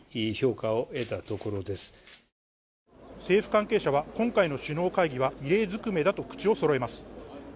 政府関係者は今回の首脳会議は異例ずくめだと口をそろえます